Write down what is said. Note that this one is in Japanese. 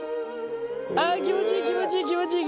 あ気持ちいい気持ちいい気持ちいい。